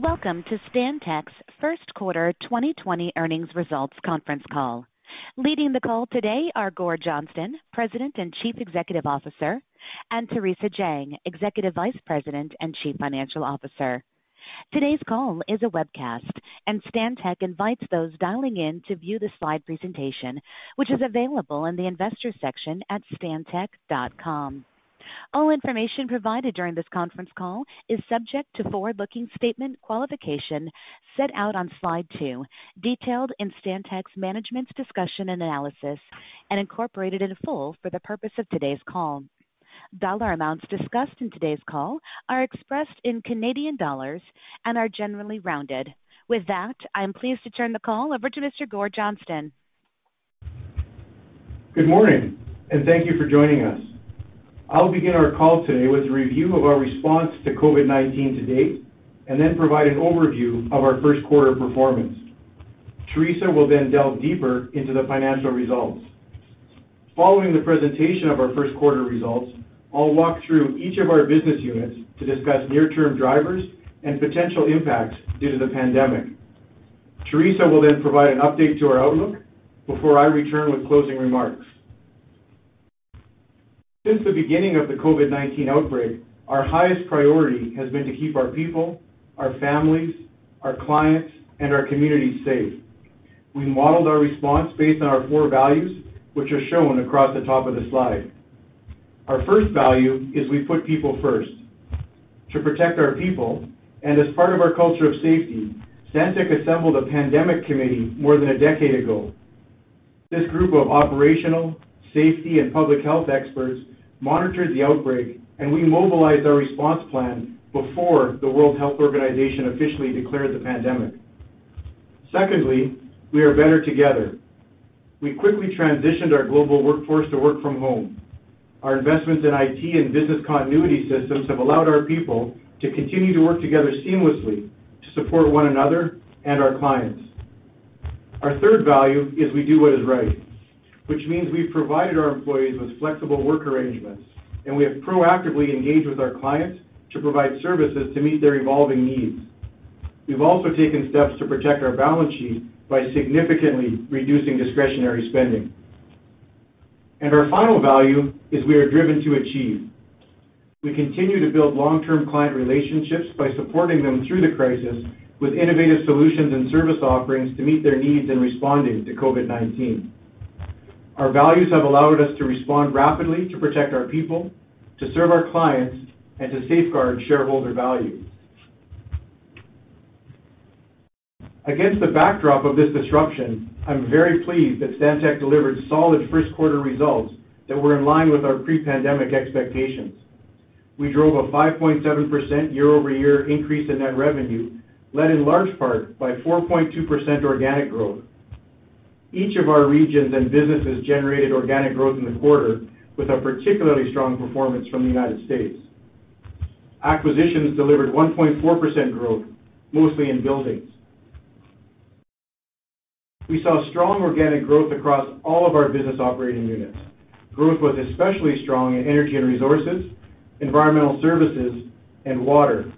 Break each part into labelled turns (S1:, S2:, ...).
S1: Welcome to Stantec's first quarter 2020 earnings results conference call. Leading the call today are Gord Johnston, President and Chief Executive Officer, and Theresa Jang, Executive Vice President and Chief Financial Officer. Today's call is a webcast, and Stantec invites those dialing in to view the slide presentation, which is available in the investors section at stantec.com. All information provided during this conference call is subject to forward-looking statement qualification set out on slide two, detailed in Stantec's management's discussion and analysis, and incorporated in full for the purpose of today's call. Dollar amounts discussed in today's call are expressed in Canadian dollars and are generally rounded. With that, I'm pleased to turn the call over to Mr. Gord Johnston.
S2: Good morning. Thank you for joining us. I'll begin our call today with a review of our response to COVID-19 to date, then provide an overview of our first quarter performance. Theresa will then delve deeper into the financial results. Following the presentation of our first quarter results, I'll walk through each of our business units to discuss near-term drivers and potential impacts due to the pandemic. Theresa will then provide an update to our outlook before I return with closing remarks. Since the beginning of the COVID-19 outbreak, our highest priority has been to keep our people, our families, our clients, and our communities safe. We modeled our response based on our four values, which are shown across the top of the slide. Our first value is we put people first. To protect our people, and as part of our culture of safety, Stantec assembled a pandemic committee more than a decade ago. This group of operational, safety, and public health experts monitored the outbreak, we mobilized our response plan before the World Health Organization officially declared the pandemic. Secondly, we are better together. We quickly transitioned our global workforce to work from home. Our investments in IT and business continuity systems have allowed our people to continue to work together seamlessly to support one another and our clients. Our third value is we do what is right, which means we've provided our employees with flexible work arrangements, we have proactively engaged with our clients to provide services to meet their evolving needs. We've also taken steps to protect our balance sheet by significantly reducing discretionary spending. Our final value is we are driven to achieve. We continue to build long-term client relationships by supporting them through the crisis with innovative solutions and service offerings to meet their needs in responding to COVID-19. Our values have allowed us to respond rapidly to protect our people, to serve our clients, and to safeguard shareholder value. Against the backdrop of this disruption, I'm very pleased that Stantec delivered solid first quarter results that were in line with our pre-pandemic expectations. We drove a 5.7% year-over-year increase in net revenue, led in large part by 4.2% organic growth. Each of our regions and businesses generated organic growth in the quarter, with a particularly strong performance from the United States. Acquisitions delivered 1.4% growth, mostly in buildings. We saw strong organic growth across all of our business operating units. Growth was especially strong in energy and resources, environmental services, and water.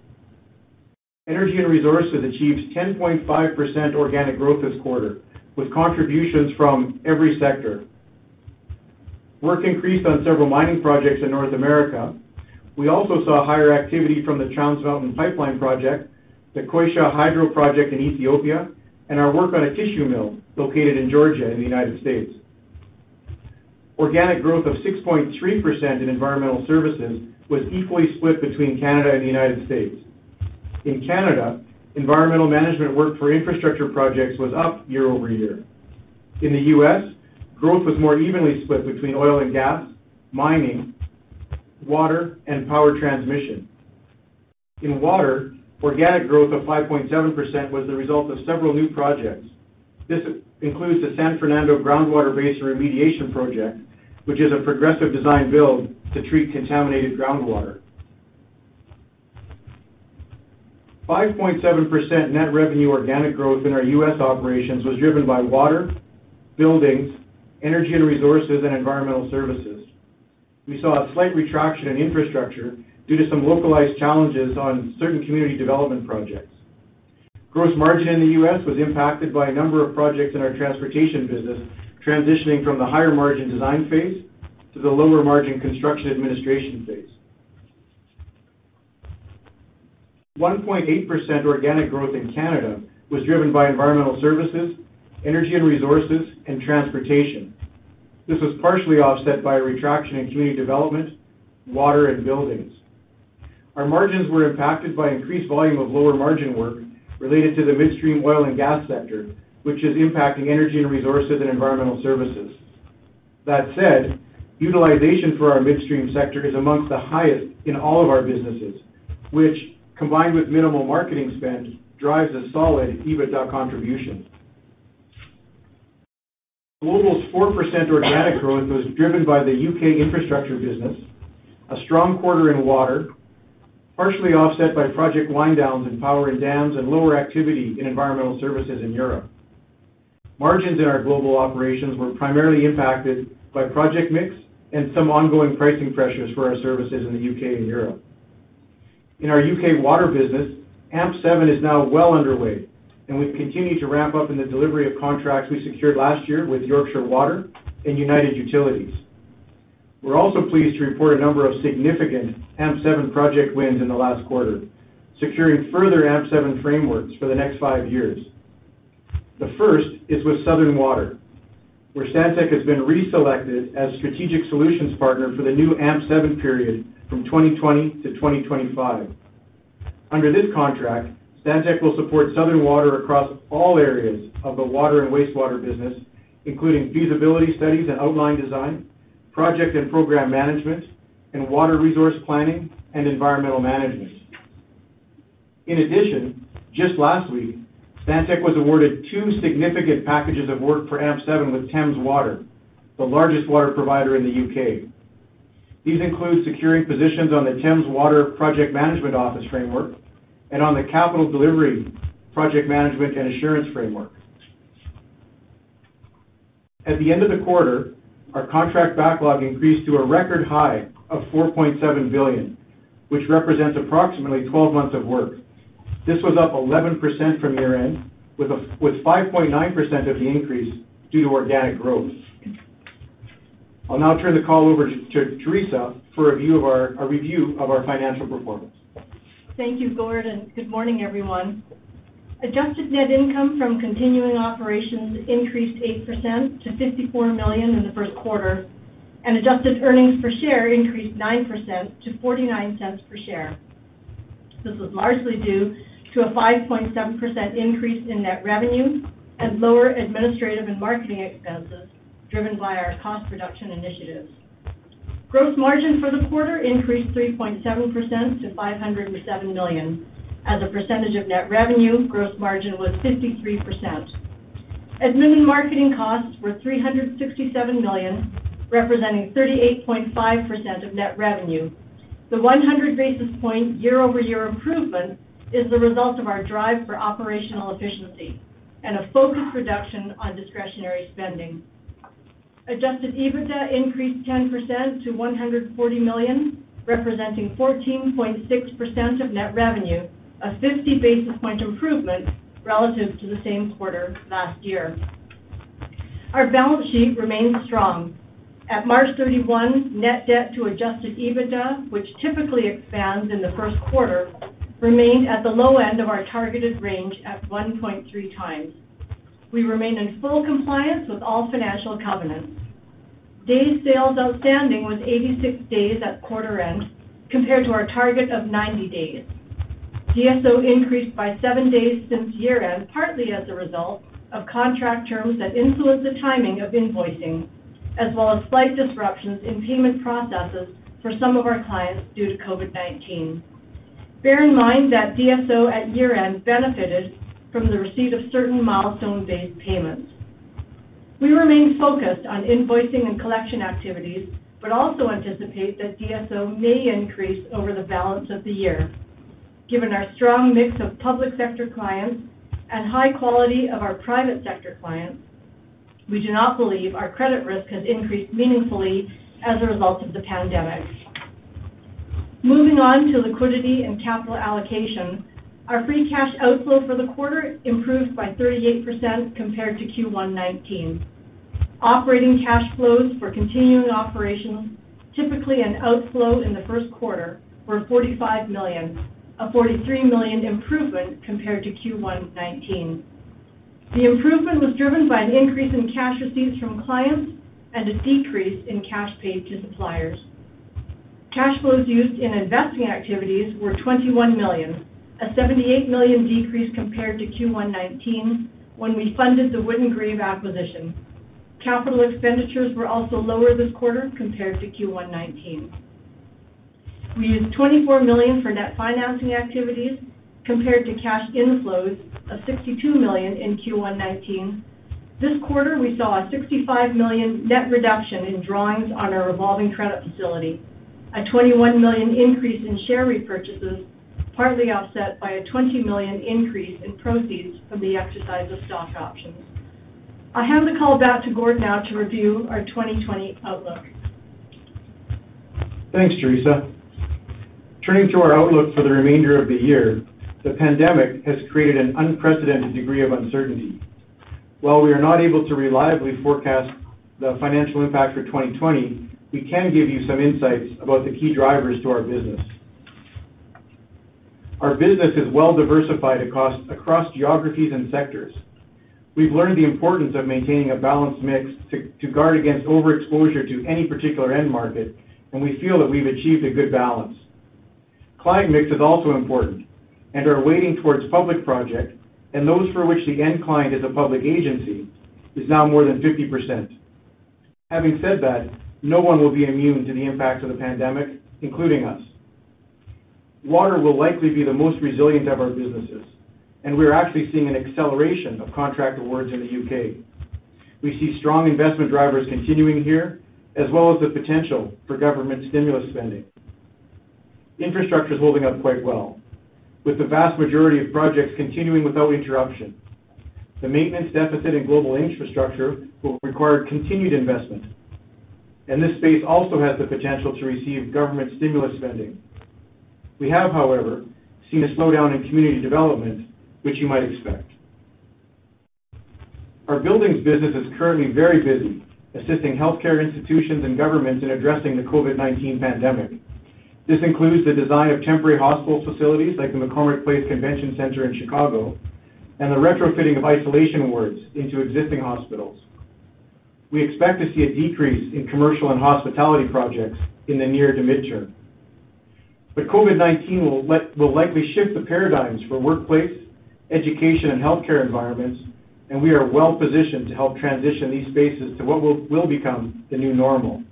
S2: Energy and resources achieved 10.5% organic growth this quarter, with contributions from every sector. Work increased on several mining projects in North America. We also saw higher activity from the Trans Mountain Pipeline Project, the Koysha Hydroelectric Project in Ethiopia, and our work on a tissue mill located in Georgia in the United States. Organic growth of 6.3% in environmental services was equally split between Canada and the United States. In Canada, environmental management work for infrastructure projects was up year-over-year. In the U.S., growth was more evenly split between oil and gas, mining, water, and power transmission. In water, organic growth of 5.7% was the result of several new projects. This includes the San Fernando Groundwater Basin Remediation Project, which is a progressive design build to treat contaminated groundwater. 5.7% net revenue organic growth in our U.S. operations was driven by water, buildings, energy and resources, and environmental services. We saw a slight retraction in infrastructure due to some localized challenges on certain community development projects. Gross margin in the U.S. was impacted by a number of projects in our transportation business transitioning from the higher margin design phase to the lower margin construction administration phase. 1.8% organic growth in Canada was driven by environmental services, energy and resources, and transportation. This was partially offset by a retraction in community development, water, and buildings. Our margins were impacted by increased volume of lower margin work related to the midstream oil and gas sector, which is impacting energy and resources and environmental services. That said, utilization for our midstream sector is amongst the highest in all of our businesses, which, combined with minimal marketing spend, drives a solid EBITDA contribution. Global's 4% organic growth was driven by the U.K. infrastructure business, a strong quarter in water, partially offset by project wind downs in power and dams and lower activity in environmental services in Europe. Margins in our global operations were primarily impacted by project mix and some ongoing pricing pressures for our services in the U.K. and Europe. In our U.K. water business, AMP7 is now well underway, and we've continued to ramp up in the delivery of contracts we secured last year with Yorkshire Water and United Utilities. We're also pleased to report a number of significant AMP7 project wins in the last quarter, securing further AMP7 frameworks for the next five years. The first is with Southern Water, where Stantec has been reselected as Strategic Solutions Partner for the new AMP7 period from 2020 to 2025. Under this contract, Stantec will support Southern Water across all areas of the water and wastewater business, including feasibility studies and outline design, project and program management, and water resource planning and environmental management. Just last week, Stantec was awarded two significant packages of work for AMP7 with Thames Water, the largest water provider in the U.K. These include securing positions on the Thames Water Project Management Office framework and on the Capital Delivery Project Management and Assurance framework. At the end of the quarter, our contract backlog increased to a record high of 4.7 billion, which represents approximately 12 months of work. This was up 11% from year-end, with 5.9% of the increase due to organic growth. I'll now turn the call over to Theresa for a review of our financial performance.
S3: Thank you, Gordon. Good morning, everyone. Adjusted net income from continuing operations increased 8% to 54 million in the first quarter, and adjusted earnings per share increased 9% to 0.49 per share. This was largely due to a 5.7% increase in net revenue and lower administrative and marketing expenses driven by our cost reduction initiatives. Gross margin for the quarter increased 3.7% to 507 million. As a percentage of net revenue, gross margin was 53%. Admin and marketing costs were CAD 367 million, representing 38.5% of net revenue. The 100 basis point year-over-year improvement is the result of our drive for operational efficiency and a focused reduction on discretionary spending. Adjusted EBITDA increased 10% to 140 million, representing 14.6% of net revenue, a 50 basis point improvement relative to the same quarter last year. Our balance sheet remains strong. At March 31, net debt to adjusted EBITDA, which typically expands in the first quarter, remained at the low end of our targeted range at 1.3 times. We remain in full compliance with all financial covenants. Days sales outstanding was 86 days at quarter end compared to our target of 90 days. DSO increased by seven days since year-end, partly as a result of contract terms that influence the timing of invoicing, as well as slight disruptions in payment processes for some of our clients due to COVID-19. Bear in mind that DSO at year-end benefited from the receipt of certain milestone-based payments. We remain focused on invoicing and collection activities but also anticipate that DSO may increase over the balance of the year. Given our strong mix of public sector clients and high quality of our private sector clients, we do not believe our credit risk has increased meaningfully as a result of the pandemic. Moving on to liquidity and capital allocation, our free cash outflow for the quarter improved by 38% compared to Q1 2019. Operating cash flows for continuing operations, typically an outflow in the first quarter, were 45 million, a 43 million improvement compared to Q1 2019. The improvement was driven by an increase in cash receipts from clients and a decrease in cash paid to suppliers. Cash flows used in investing activities were 21 million, a 78 million decrease compared to Q1 2019 when we funded the Wood & Grieve acquisition. Capital expenditures were also lower this quarter compared to Q1 2019. We used 24 million for net financing activities compared to cash inflows of 62 million in Q1 2019. This quarter, we saw a 65 million net reduction in drawings on our revolving credit facility, a 21 million increase in share repurchases, partly offset by a 20 million increase in proceeds from the exercise of stock options. I'll hand the call back to Gord now to review our 2020 outlook.
S2: Thanks, Theresa. Turning to our outlook for the remainder of the year, the pandemic has created an unprecedented degree of uncertainty. While we are not able to reliably forecast the financial impact for 2020, we can give you some insights about the key drivers to our business. Our business is well diversified across geographies and sectors. We've learned the importance of maintaining a balanced mix to guard against overexposure to any particular end market, and we feel that we've achieved a good balance. Client mix is also important, and our weighting towards public project and those for which the end client is a public agency is now more than 50%. Having said that, no one will be immune to the impact of the pandemic, including us. Water will likely be the most resilient of our businesses, and we are actually seeing an acceleration of contract awards in the U.K. We see strong investment drivers continuing here, as well as the potential for government stimulus spending. Infrastructure is holding up quite well, with the vast majority of projects continuing without interruption. The maintenance deficit in global infrastructure will require continued investment. This space also has the potential to receive government stimulus spending. We have, however, seen a slowdown in community development which you might expect. Our buildings business is currently very busy assisting healthcare institutions and governments in addressing the COVID-19 pandemic. This includes the design of temporary hospital facilities like the McCormick Place Convention Center in Chicago and the retrofitting of isolation wards into existing hospitals. We expect to see a decrease in commercial and hospitality projects in the near to midterm. COVID-19 will likely shift the paradigms for workplace, education, and healthcare environments, and we are well positioned to help transition these spaces to what will become the new normal.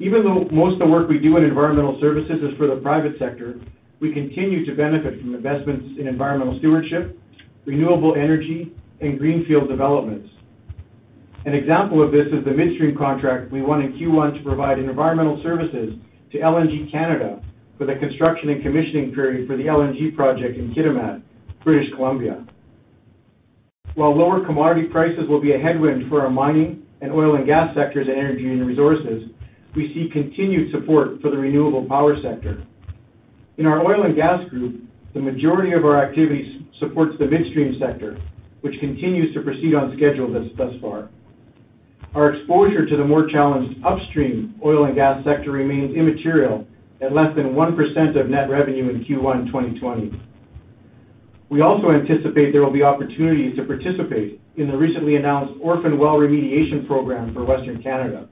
S2: Even though most of the work we do in environmental services is for the private sector, we continue to benefit from investments in environmental stewardship, renewable energy, and greenfield developments. An example of this is the midstream contract we won in Q1 to provide environmental services to LNG Canada for the construction and commissioning period for the LNG project in Kitimat, British Columbia. While lower commodity prices will be a headwind for our mining and oil and gas sectors and energy and resources, we see continued support for the renewable power sector. In our oil and gas group, the majority of our activities supports the midstream sector, which continues to proceed on schedule thus far. Our exposure to the more challenged upstream oil and gas sector remains immaterial at less than 1% of net revenue in Q1 2020. We also anticipate there will be opportunities to participate in the recently announced Orphan Well Remediation Program for Western Canada.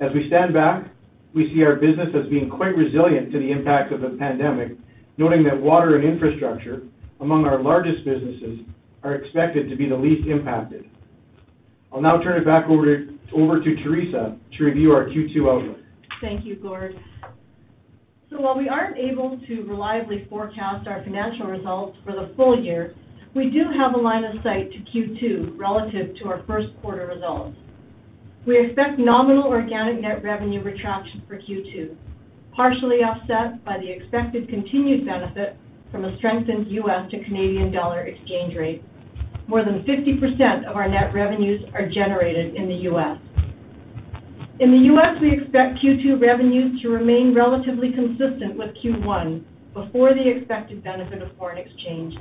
S2: As we stand back, we see our business as being quite resilient to the impact of the pandemic, noting that water and infrastructure, among our largest businesses, are expected to be the least impacted. I'll now turn it back over to Theresa to review our Q2 outlook.
S3: Thank you, Gord. While we aren't able to reliably forecast our financial results for the full year, we do have a line of sight to Q2 relative to our first quarter results. We expect nominal organic net revenue retraction for Q2, partially offset by the expected continued benefit from a strengthened U.S. to CAD exchange rate. More than 50% of our net revenues are generated in the U.S. In the U.S., we expect Q2 revenues to remain relatively consistent with Q1 before the expected benefit of foreign exchange,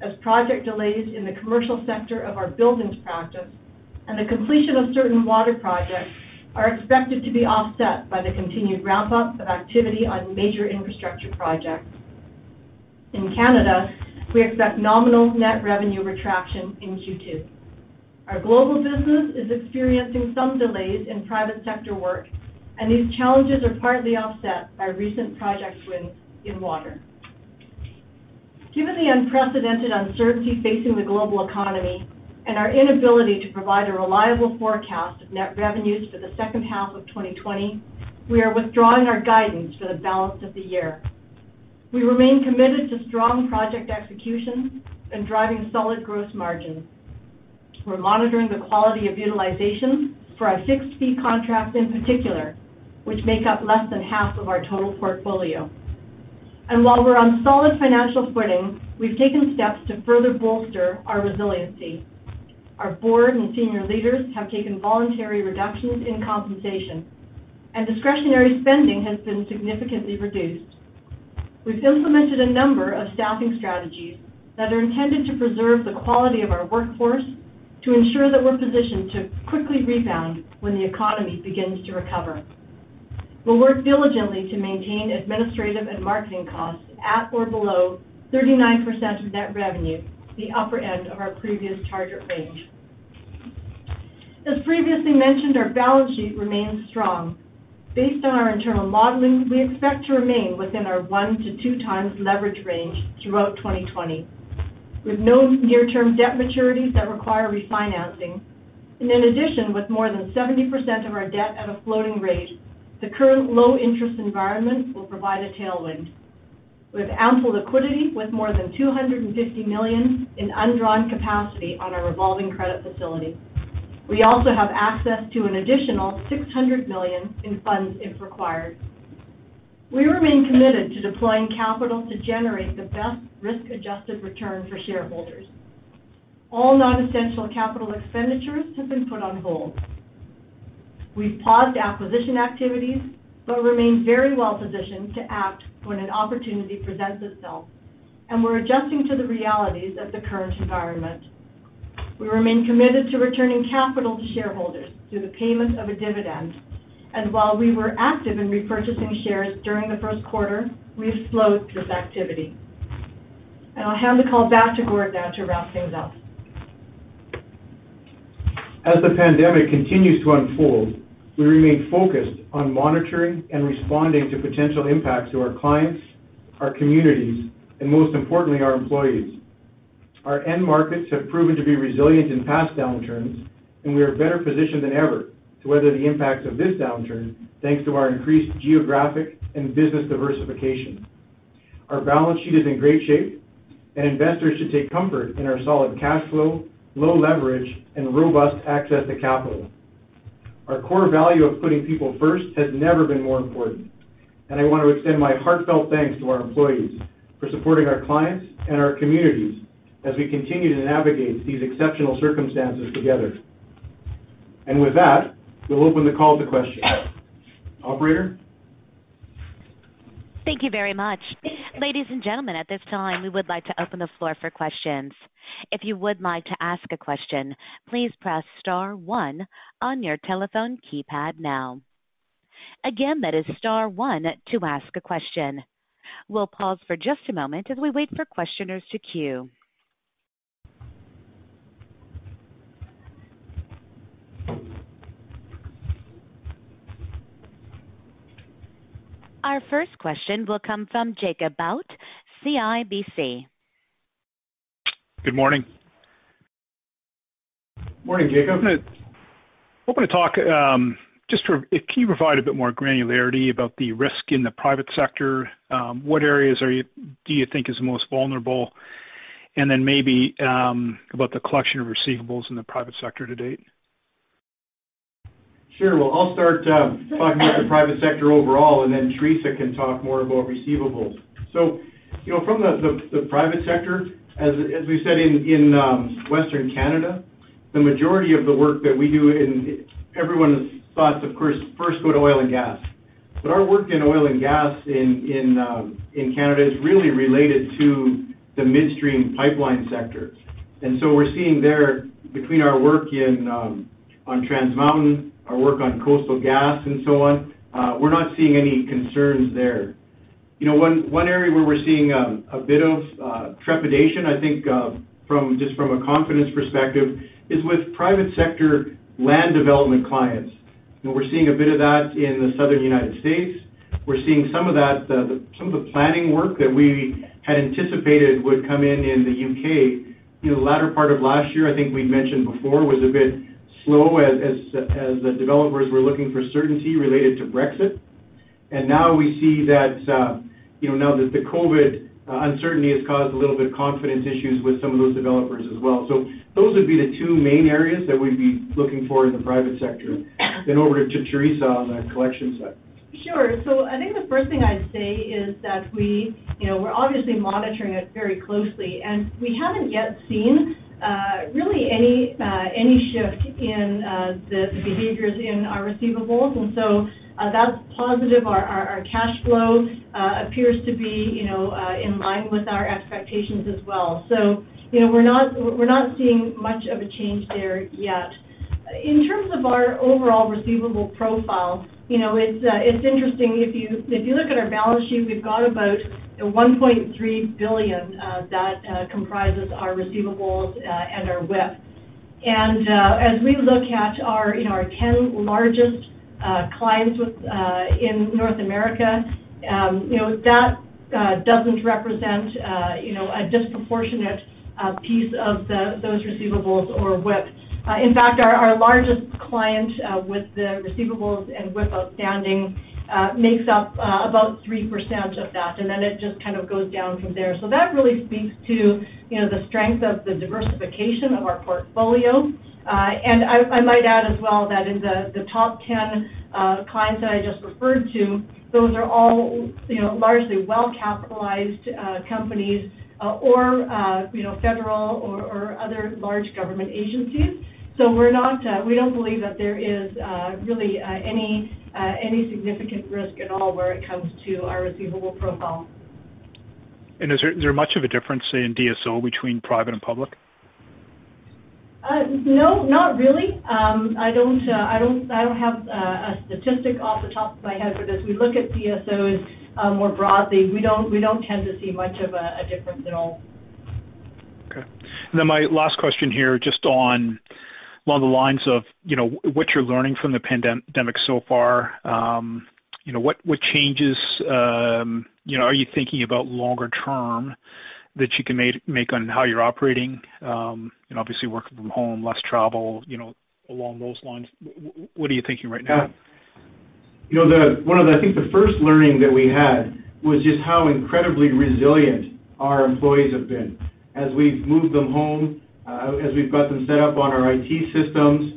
S3: as project delays in the commercial sector of our buildings practice and the completion of certain water projects are expected to be offset by the continued ramp-up of activity on major infrastructure projects. In Canada, we expect nominal net revenue retraction in Q2. Our global business is experiencing some delays in private sector work, and these challenges are partly offset by recent project wins in water. Given the unprecedented uncertainty facing the global economy and our inability to provide a reliable forecast of net revenues for the second half of 2020, we are withdrawing our guidance for the balance of the year. We remain committed to strong project execution and driving solid gross margin. We're monitoring the quality of utilization for our fixed-fee contracts in particular, which make up less than half of our total portfolio. While we're on solid financial footing, we've taken steps to further bolster our resiliency. Our board and senior leaders have taken voluntary reductions in compensation, and discretionary spending has been significantly reduced. We've implemented a number of staffing strategies that are intended to preserve the quality of our workforce to ensure that we're positioned to quickly rebound when the economy begins to recover. We'll work diligently to maintain administrative and marketing costs at or below 39% of net revenue, the upper end of our previous target range. As previously mentioned, our balance sheet remains strong. Based on our internal modeling, we expect to remain within our one to two times leverage range throughout 2020. In addition, with more than 70% of our debt at a floating rate, the current low interest environment will provide a tailwind. We have ample liquidity with more than 250 million in undrawn capacity on our revolving credit facility. We also have access to an additional 600 million in funds if required. We remain committed to deploying capital to generate the best risk-adjusted return for shareholders. All non-essential capital expenditures have been put on hold. We've paused acquisition activities but remain very well positioned to act when an opportunity presents itself, and we're adjusting to the realities of the current environment. We remain committed to returning capital to shareholders through the payment of a dividend, and while we were active in repurchasing shares during the first quarter, we've slowed this activity. I'll hand the call back to Gord now to wrap things up.
S2: As the pandemic continues to unfold, we remain focused on monitoring and responding to potential impacts to our clients, our communities, and most importantly, our employees. Our end markets have proven to be resilient in past downturns, and we are better positioned than ever to weather the impacts of this downturn, thanks to our increased geographic and business diversification. Our balance sheet is in great shape, and investors should take comfort in our solid cash flow, low leverage, and robust access to capital. Our core value of putting people first has never been more important, and I want to extend my heartfelt thanks to our employees for supporting our clients and our communities as we continue to navigate these exceptional circumstances together. With that, we'll open the call to questions. Operator?
S1: Thank you very much. Ladies and gentlemen, at this time, we would like to open the floor for questions. If you would like to ask a question, please press star one on your telephone keypad now. Again, that is star one to ask a question. We will pause for just a moment as we wait for questioners to queue. Our first question will come from Jacob Bout, CIBC.
S4: Good morning.
S2: Morning, Jacob.
S4: Hope to talk. Can you provide a bit more granularity about the risk in the private sector? What areas do you think is the most vulnerable? Then maybe about the collection of receivables in the private sector to date.
S2: I'll start talking about the private sector overall. Theresa can talk more about receivables. From the private sector, as we've said in Western Canada, the majority of the work that we do in everyone's thoughts, of course, first go to oil and gas. Our work in oil and gas in Canada is really related to the midstream pipeline sector. We're seeing there between our work on Trans Mountain, our work on Coastal GasLink, and so on, we're not seeing any concerns there. One area where we're seeing a bit of trepidation, I think just from a confidence perspective, is with private sector land development clients. We're seeing a bit of that in the Southern U.S. We're seeing some of the planning work that we had anticipated would come in in the U.K. The latter part of last year, I think we'd mentioned before, was a bit slow as the developers were looking for certainty related to Brexit. Now we see that now that the COVID uncertainty has caused a little bit of confidence issues with some of those developers as well. Those would be the two main areas that we'd be looking for in the private sector. Over to Theresa on the collection side.
S3: I think the first thing I'd say is that we're obviously monitoring it very closely, and we haven't yet seen really any shift in the behaviors in our receivables. That's positive. Our cash flow appears to be in line with our expectations as well. We're not seeing much of a change there yet. In terms of our overall receivable profile, it's interesting, if you look at our balance sheet, we've got about 1.3 billion that comprises our receivables and our WIP. As we look at our 10 largest clients in North America that doesn't represent a disproportionate piece of those receivables or WIP. Our largest client with the receivables and WIP outstanding makes up about 3% of that, and then it just kind of goes down from there. That really speaks to the strength of the diversification of our portfolio. I might add as well that in the top 10 clients that I just referred to, those are all largely well-capitalized companies or federal or other large government agencies. We don't believe that there is really any significant risk at all where it comes to our receivable profile.
S4: Is there much of a difference in DSO between private and public?
S3: No, not really. I don't have a statistic off the top of my head, but as we look at DSOs more broadly, we don't tend to see much of a difference at all.
S4: Okay. My last question here, just along the lines of what you're learning from the pandemic so far. What changes are you thinking about longer term that you can make on how you're operating? Obviously working from home, less travel, along those lines. What are you thinking right now?
S2: One of, I think, the first learning that we had was just how incredibly resilient our employees have been as we've moved them home, as we've got them set up on our IT systems.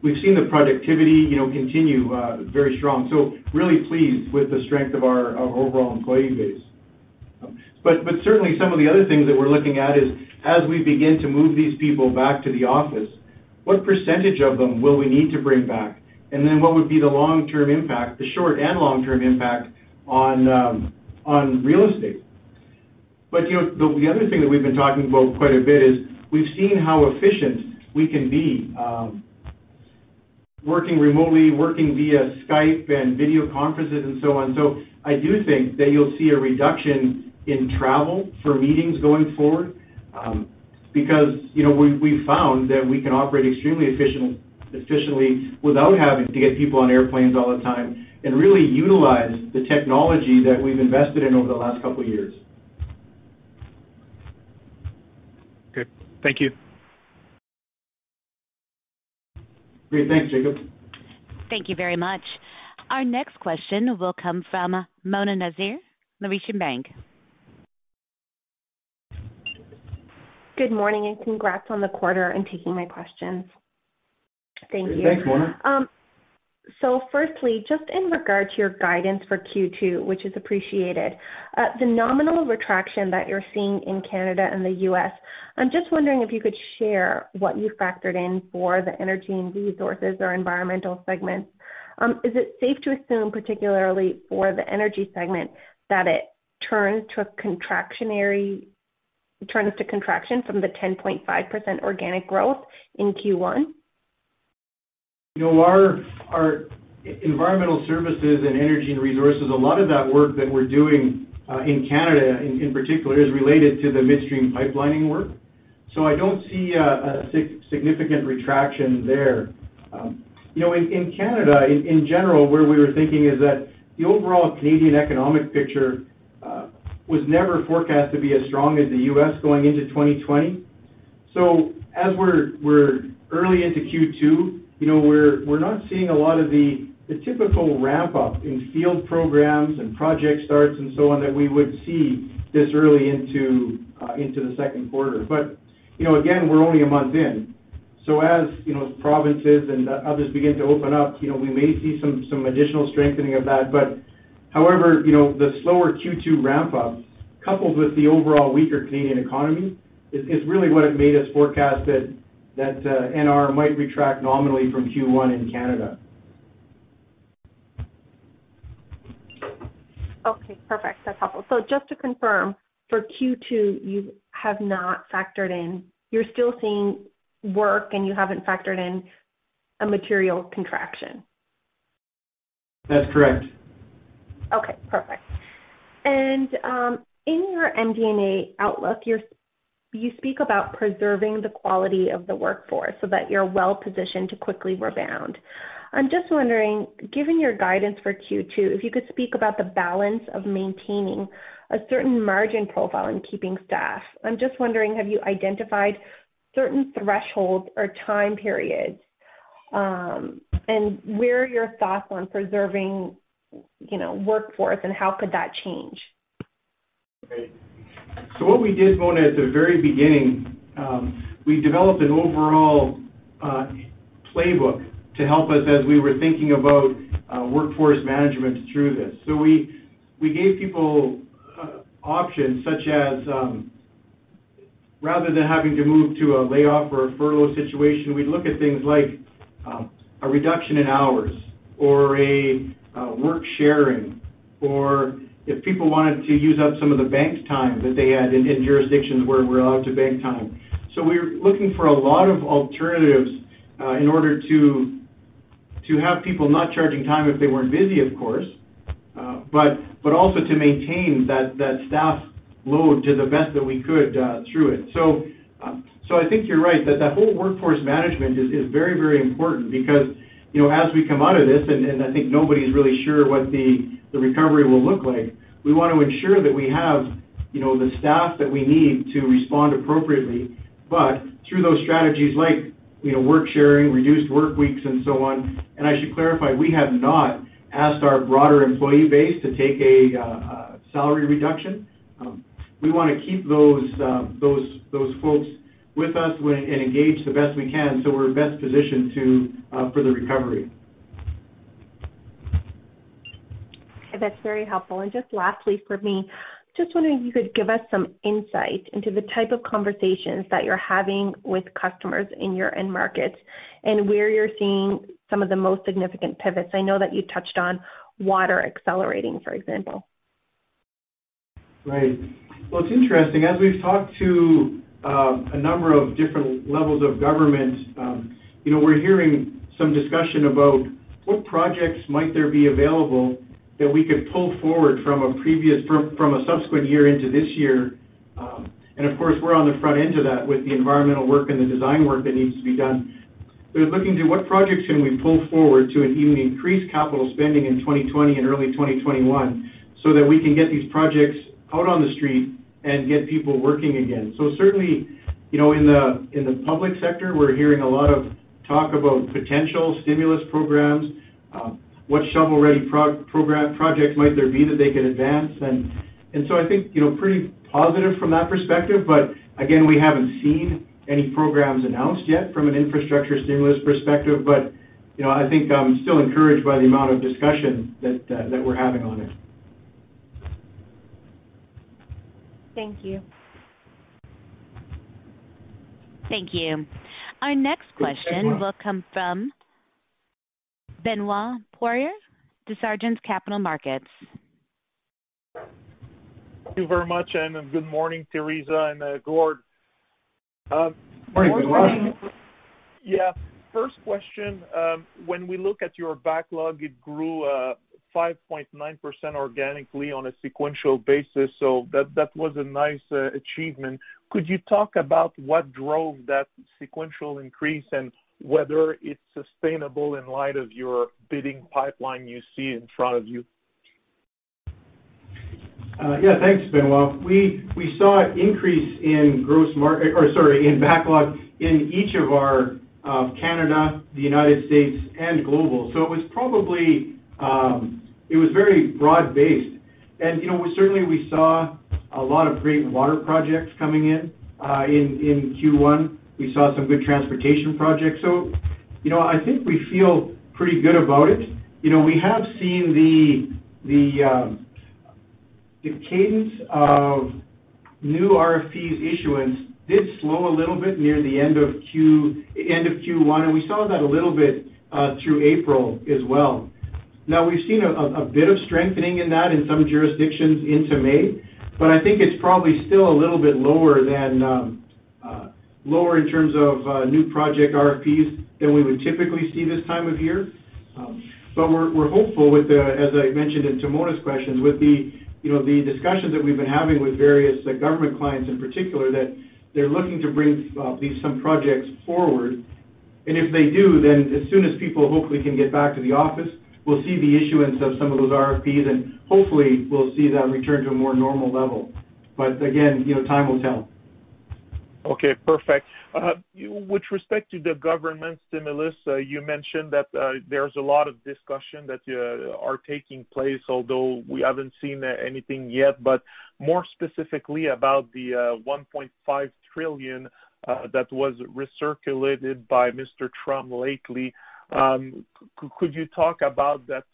S2: We've seen the productivity continue very strong. Really pleased with the strength of our overall employee base. Certainly some of the other things that we're looking at is as we begin to move these people back to the office, what percentage of them will we need to bring back? What would be the short- and long-term impact on real estate? The other thing that we've been talking about quite a bit is we've seen how efficient we can be working remotely, working via Skype and video conferences and so on. I do think that you'll see a reduction in travel for meetings going forward because we've found that we can operate extremely efficiently without having to get people on airplanes all the time and really utilize the technology that we've invested in over the last couple of years.
S4: Good. Thank you.
S2: Great. Thanks, Jacob.
S1: Thank you very much. Our next question will come from Mona Nazir, Laurentian Bank.
S5: Good morning, and congrats on the quarter and taking my questions. Thank you.
S2: Thanks, Mona.
S5: Firstly, just in regard to your guidance for Q2, which is appreciated, the nominal retraction that you're seeing in Canada and the U.S., I'm just wondering if you could share what you factored in for the energy and resources or environmental segments. Is it safe to assume, particularly for the energy segment, that it turns to contraction from the 10.5% organic growth in Q1?
S2: Our environmental services and energy and resources, a lot of that work that we're doing, in Canada in particular, is related to the midstream pipelining work. I don't see a significant retraction there. In Canada, in general, where we were thinking is that the overall Canadian economic picture was never forecast to be as strong as the U.S. going into 2020. As we're early into Q2, we're not seeing a lot of the typical ramp-up in field programs and project starts and so on that we would see this early into the second quarter. Again, we're only a month in, as provinces and others begin to open up, we may see some additional strengthening of that. However, the slower Q2 ramp-up, coupled with the overall weaker Canadian economy, is really what it made us forecast that NR might retract nominally from Q1 in Canada.
S5: Okay, perfect. That's helpful. Just to confirm, for Q2, You're still seeing work, and you haven't factored in a material contraction.
S2: That's correct.
S5: Okay, perfect. In your MD&A outlook, you speak about preserving the quality of the workforce so that you're well-positioned to quickly rebound. I'm just wondering, given your guidance for Q2, if you could speak about the balance of maintaining a certain margin profile and keeping staff. I'm just wondering, have you identified certain thresholds or time periods? Where are your thoughts on preserving workforce, and how could that change?
S2: Great. What we did, Mona, at the very beginning, we developed an overall playbook to help us as we were thinking about workforce management through this. We gave people options, such as, rather than having to move to a layoff or a furlough situation, we'd look at things like a reduction in hours or a work sharing, or if people wanted to use up some of the bank time that they had in jurisdictions where we're allowed to bank time. We were looking for a lot of alternatives in order to have people not charging time if they weren't busy, of course. Also to maintain that staff load to the best that we could through it. I think you're right, that that whole workforce management is very important because, as we come out of this, and I think nobody's really sure what the recovery will look like, we want to ensure that we have the staff that we need to respond appropriately. Through those strategies like work sharing, reduced work weeks, and so on, and I should clarify, we have not asked our broader employee base to take a salary reduction. We want to keep those folks with us and engaged the best we can so we're best positioned for the recovery.
S5: That's very helpful. Just lastly from me, just wondering if you could give us some insight into the type of conversations that you're having with customers in your end markets and where you're seeing some of the most significant pivots. I know that you touched on water accelerating, for example.
S2: Right. Well, it's interesting. As we've talked to a number of different levels of government, we're hearing some discussion about what projects might there be available that we could pull forward from a subsequent year into this year. Of course, we're on the front end of that with the environmental work and the design work that needs to be done. We're looking to what projects can we pull forward to even increase capital spending in 2020 and early 2021 so that we can get these projects out on the street and get people working again. Certainly, in the public sector, we're hearing a lot of talk about potential stimulus programs, what shovel-ready projects might there be that they could advance. I think, pretty positive from that perspective, but again, we haven't seen any programs announced yet from an infrastructure stimulus perspective. I think I'm still encouraged by the amount of discussion that we're having on it.
S5: Thank you.
S1: Thank you. Our next question will come from Benoit Poirier, Desjardins Capital Markets.
S6: Thank you very much, and good morning, Theresa and Gord.
S3: Morning. Good morning.
S6: Yeah. First question, when we look at your backlog, it grew 5.9% organically on a sequential basis. That was a nice achievement. Could you talk about what drove that sequential increase and whether it's sustainable in light of your bidding pipeline you see in front of you?
S2: Thanks, Benoit. We saw an increase in backlog in each of our Canada, the U.S., and global. It was very broad-based. Certainly, we saw a lot of great water projects coming in Q1. We saw some good transportation projects. I think we feel pretty good about it. We have seen the cadence of new RFPs issuance did slow a little bit near the end of Q1, and we saw that a little bit through April as well. We've seen a bit of strengthening in that in some jurisdictions into May, I think it's probably still a little bit lower in terms of new project RFPs than we would typically see this time of year. We're hopeful with the, as I mentioned in Mona's questions, with the discussions that we've been having with various government clients in particular, that they're looking to bring at least some projects forward. If they do, then as soon as people hopefully can get back to the office, we'll see the issuance of some of those RFPs, and hopefully we'll see that return to a more normal level. Again, time will tell.
S6: Okay, perfect. With respect to the government stimulus, you mentioned that there's a lot of discussion that are taking place, although we haven't seen anything yet. More specifically about the $1.5 trillion that was recirculated by Mr. Trump lately, could you talk about that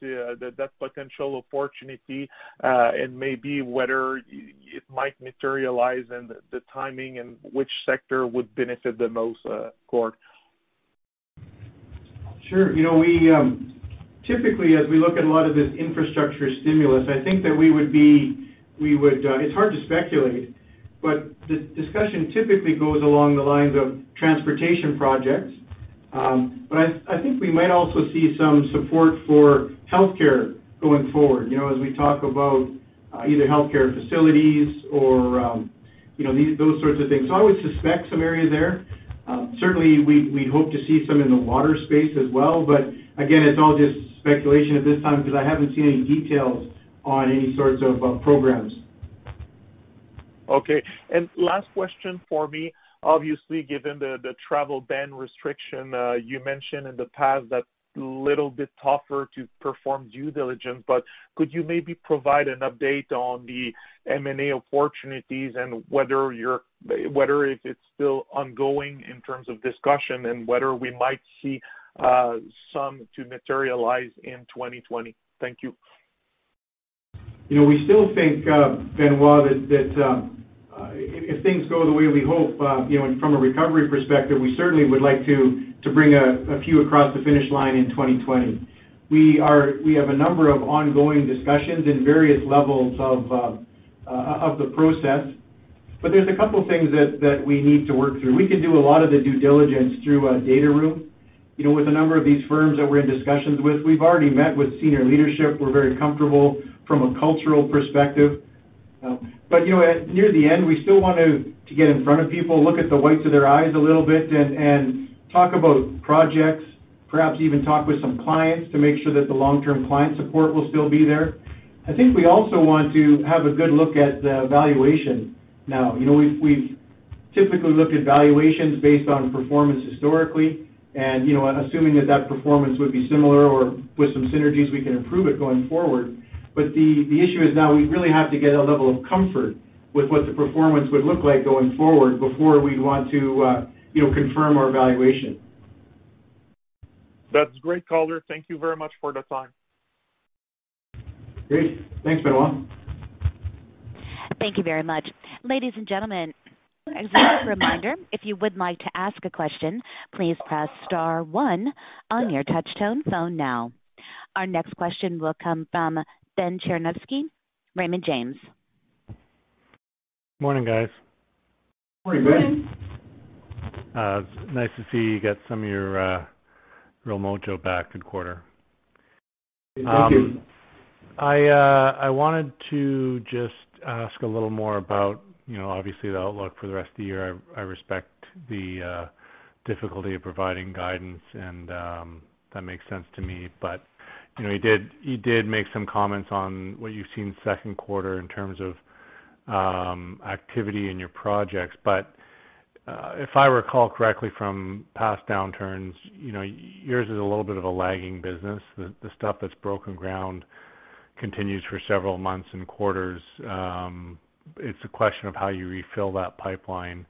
S6: potential opportunity and maybe whether it might materialize and the timing and which sector would benefit the most, Gord?
S2: Sure. Typically, as we look at a lot of this infrastructure stimulus, it's hard to speculate, the discussion typically goes along the lines of transportation projects. I think we might also see some support for healthcare going forward, as we talk about either healthcare facilities or those sorts of things. I would suspect some area there. Certainly, we hope to see some in the water space as well, but again, it's all just speculation at this time because I haven't seen any details on any sorts of programs.
S6: Okay. Last question for me. Obviously, given the travel ban restriction, you mentioned in the past that it's a little bit tougher to perform due diligence, but could you maybe provide an update on the M&A opportunities and whether if it's still ongoing in terms of discussion and whether we might see some to materialize in 2020? Thank you.
S2: We still think, Benoit, that if things go the way we hope, from a recovery perspective, we certainly would like to bring a few across the finish line in 2020. We have a number of ongoing discussions in various levels of the process, but there's a couple things that we need to work through. We can do a lot of the due diligence through a data room. With a number of these firms that we're in discussions with, we've already met with senior leadership. We're very comfortable from a cultural perspective. Near the end, we still want to get in front of people, look at the whites of their eyes a little bit and talk about projects, perhaps even talk with some clients to make sure that the long-term client support will still be there. I think we also want to have a good look at the valuation now. We've typically looked at valuations based on performance historically and assuming that that performance would be similar or with some synergies, we can improve it going forward. The issue is now we really have to get a level of comfort with what the performance would look like going forward before we'd want to confirm our valuation.
S6: That's great, color. Thank Thank you very much for the time.
S2: Great. Thanks, Benoit.
S1: Thank you very much. Ladies and gentlemen, as a reminder, if you would like to ask a question, please press star one on your touch-tone phone now. Our next question will come from Ben Cherniavsky, Raymond James.
S7: Morning, guys.
S3: Morning, Ben. Morning.
S7: It's nice to see you got some of your real mojo back. Good quarter.
S2: Thank you.
S7: I wanted to just ask a little more about, obviously the outlook for the rest of the year. I respect the difficulty of providing guidance, and that makes sense to me. You did make some comments on what you've seen second quarter in terms of activity in your projects. If I recall correctly from past downturns, yours is a little bit of a lagging business. The stuff that's broken ground continues for several months and quarters. It's a question of how you refill that pipeline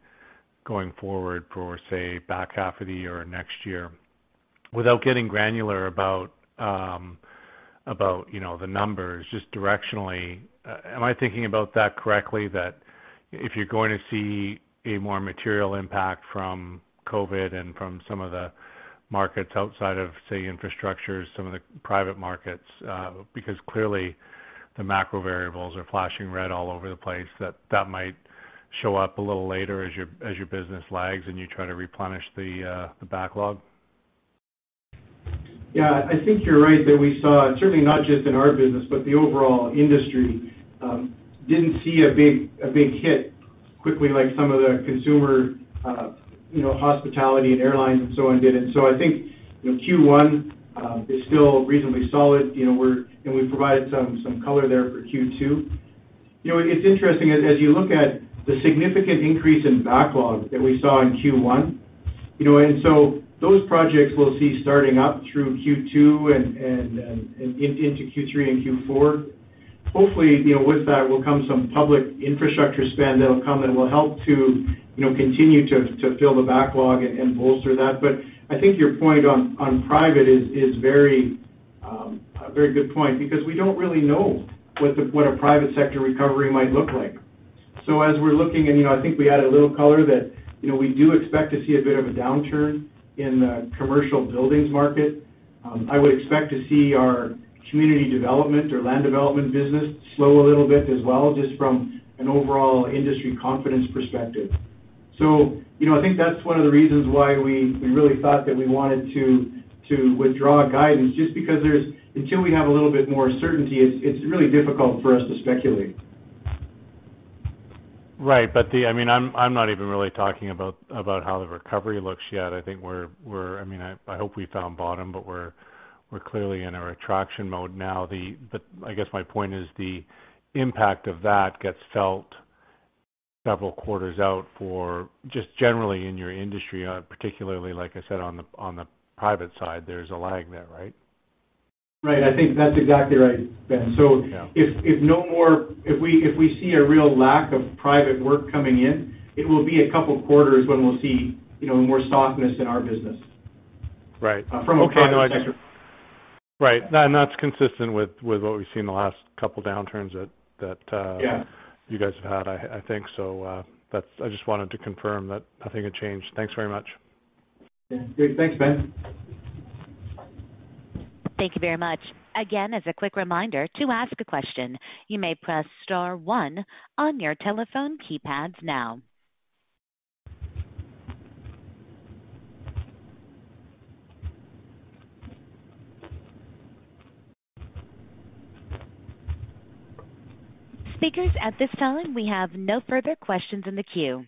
S7: going forward for, say, back half of the year or next year. Without getting granular about the numbers, just directionally, am I thinking about that correctly, that if you're going to see a more material impact from COVID and from some of the markets outside of, say, infrastructure, some of the private markets, because clearly the macro variables are flashing red all over the place, that that might show up a little later as your business lags and you try to replenish the backlog?
S2: Yeah. I think you're right that we saw, certainly not just in our business, but the overall industry, didn't see a big hit quickly like some of the consumer hospitality and airlines and so on did. I think Q1 is still reasonably solid, and we've provided some color there for Q2. It's interesting as you look at the significant increase in backlog that we saw in Q1. Those projects we'll see starting up through Q2 and into Q3 and Q4. Hopefully, with that will come some public infrastructure spend that'll come and will help to continue to fill the backlog and bolster that. I think your point on private is a very good point because we don't really know what a private sector recovery might look like. As we're looking and I think we added a little color that we do expect to see a bit of a downturn in the commercial buildings market. I would expect to see our community development or land development business slow a little bit as well, just from an overall industry confidence perspective. I think that's one of the reasons why we really thought that we wanted to withdraw guidance just because until we have a little bit more certainty, it's really difficult for us to speculate.
S7: Right. I'm not even really talking about how the recovery looks yet. I hope we found bottom, but we're clearly in our contraction mode now. I guess my point is the impact of that gets felt several quarters out for just generally in your industry, particularly like I said on the private side, there's a lag there, right?
S2: Right. I think that's exactly right, Ben.
S7: Yeah.
S2: If we see a real lack of private work coming in, it will be a couple quarters when we'll see more softness in our business.
S7: Right.
S2: From a private sector.
S7: Right. That's consistent with what we've seen in the last couple downturns.
S2: Yeah.
S7: You guys have had, I think. I just wanted to confirm that nothing had changed. Thanks very much.
S2: Yeah. Great. Thanks, Ben.
S1: Thank you very much. As a quick reminder to ask a question, you may press star one on your telephone keypads now. Speakers, at this time, we have no further questions in the queue.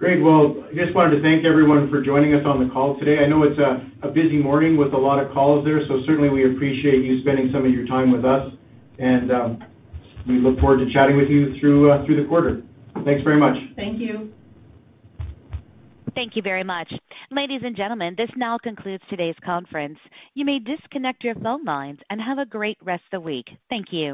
S2: Well, I just wanted to thank everyone for joining us on the call today. I know it's a busy morning with a lot of calls there, so certainly we appreciate you spending some of your time with us, and we look forward to chatting with you through the quarter. Thanks very much.
S3: Thank you.
S1: Thank you very much. Ladies and gentlemen, this now concludes today's conference. You may disconnect your phone lines and have a great rest of the week. Thank you.